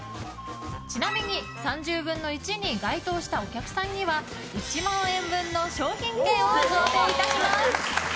ちなみに３０分の１に該当したお客さんには１万円分の商品券を贈呈いたします。